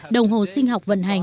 đồng hồ sinh học vận hành